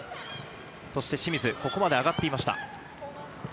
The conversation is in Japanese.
そして清水はここまで上がっていました。